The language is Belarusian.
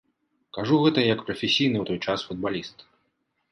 Кажу гэта як прафесійны ў той час футбаліст.